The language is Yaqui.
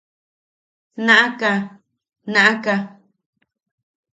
–¡Naʼaka! ¡Naʼaka!